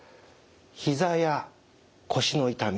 ひざや腰の痛み